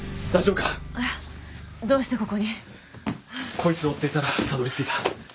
こいつを追っていたらたどりついた。